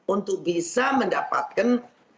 untuk bisa mendapatkan